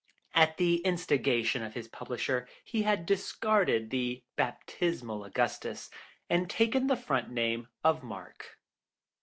At the instigation of his publisher he had discarded the baptismal Augustus and taken the front name of Mark.